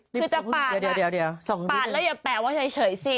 คือจะปากน่ะปากแล้วอย่าแปลว่าเฉยสิ